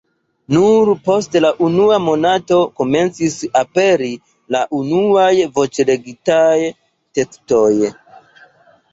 Nur post la unua monato komencis aperi la unuaj voĉlegitaj tekstoj.